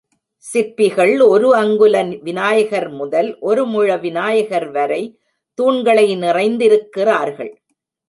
சிற்பிகள் ஒரு அங்குல விநாயகர் முதல், ஒரு முழ விநாயகர் வரை தூண்களை நிறைந்திருக்கிறார்கள்.